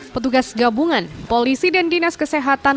petugas gabungan polisi dan dinas kesehatan